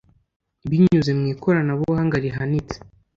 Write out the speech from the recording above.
Binyuze mu ikoranabuhanga rihanitse